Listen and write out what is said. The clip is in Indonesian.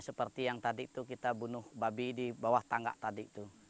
seperti yang tadi itu kita bunuh babi di bawah tangga tadi itu